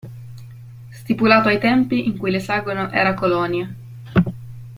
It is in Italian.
Stipulato ai tempi in cui l'esagono era colonia.